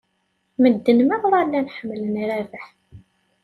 Medden meṛṛa llan ḥemmlen Rabaḥ.